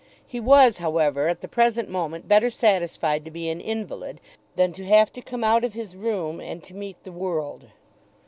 He was, however, at the present moment better satisfied to be an invalid than to have to come out of his room and to meet the world.